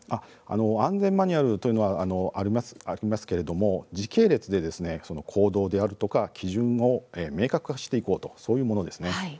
安全マニュアルというのはありますけれども時系列で行動であるとか基準を明確化していこうとそういうものですね。